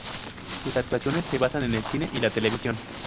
Sus actuaciones se basan en el cine y la televisión.